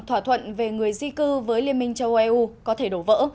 thỏa thuận về người di cư với liên minh châu eu có thể đổ vỡ